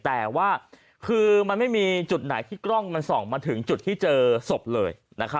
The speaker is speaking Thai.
แต่ว่าคือมันไม่มีจุดไหนที่กล้องมันส่องมาถึงจุดที่เจอศพเลย